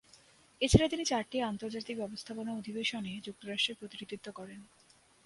এছাড়া তিনি চারটি আন্তর্জাতিক ব্যবস্থাপনা অধিবেশনে যুক্তরাষ্ট্রের প্রতিনিধিত্ব করেন।